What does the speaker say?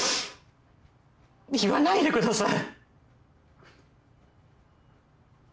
言わないでください。